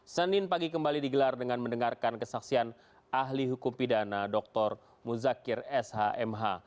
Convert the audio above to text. senin pagi kembali digelar dengan mendengarkan kesaksian ahli hukum pidana dr muzakir shmh